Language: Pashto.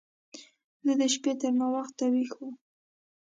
زه د شپې تر ناوخته ويښ وم.